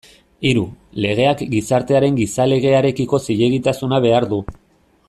Hiru, legeak gizartearen gizalegearekiko zilegitasuna behar du.